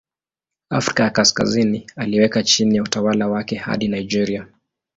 Afrika ya Kaskazini aliweka chini ya utawala wake hadi Algeria.